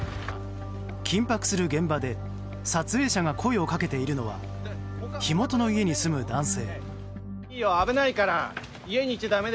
緊迫する現場で撮影者が声をかけているのは火元の家に住む男性。